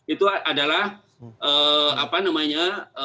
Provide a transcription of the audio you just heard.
itu adalah apa namanya